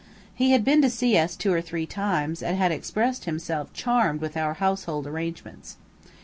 He had been to see us two or three times, and had expressed himself charmed with our household arrangements.